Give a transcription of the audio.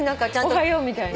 おはようみたいな？